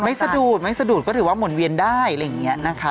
สะดุดไม่สะดุดก็ถือว่าหมุนเวียนได้อะไรอย่างนี้นะคะ